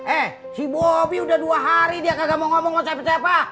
eh si bobby udah dua hari dia kagak mau ngomong sama siapa siapa